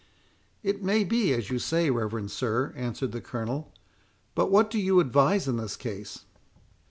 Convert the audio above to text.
"It may be as you say, reverend sir," answered the Colonel.—"But what do you advise in this case?"